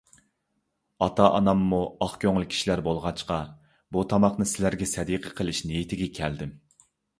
ئاتا - ئاناممۇ ئاق كۆڭۈل كىشىلەر بولغاچقا، بۇ تاماقنى سىلەرگە سەدىقە قىلىش نىيىتىگە كەلدىم.